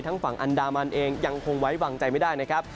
ฝั่งอันดามันเองยังคงไว้วางใจไม่ได้นะครับ